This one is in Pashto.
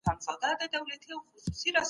د ژوند سطحه په ډېرو ځایونو کي ښه کیږي.